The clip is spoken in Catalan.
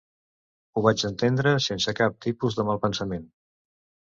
Ho vaig entendre sense cap tipus de malpensament.